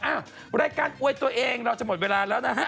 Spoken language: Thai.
รายการอวยตัวเองเราจะหมดเวลาแล้วนะฮะ